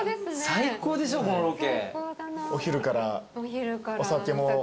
最高でしょこのロケ。